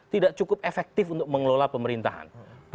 tidak cukup efektif untuk mengelola pemerintahan